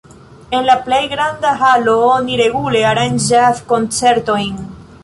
En la plej granda halo oni regule aranĝas koncertojn.